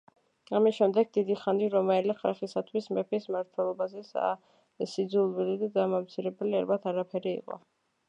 ამის შემდეგ დიდი ხანი რომაელი ხალხისთვის მეფის მმართველობაზე საძულველი და დამამცირებელი ალბათ არაფერი იყო.